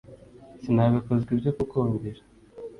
sinabikozwa ibyo kukumvira